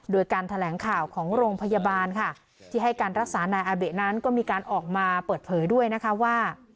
โดยการแถลงข่าวของโรงพยาบาลค่ะที่ให้การรักษานายอาเบะนั้นก็มีการออกมาเปิดเผยด้วยนะคะว่า